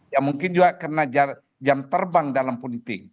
ya mungkin juga karena jam terbang dalam politik